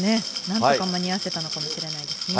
なんとか間に合わせたのかもしれないですね。